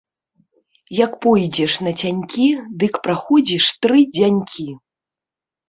Як пойдзеш нацянькі, дык праходзіш тры дзянькі.